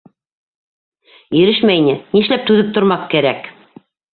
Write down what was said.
—- Ирешмәй ни, нишләп түҙеп тормаҡ кәрәк.